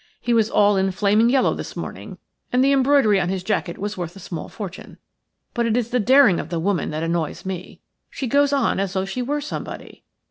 He was all in flaming yellow this morning, and the embroidery on his jacket was worth a small fortune. But it is the daring of the woman that annoys me. She goes on as though she were somebody."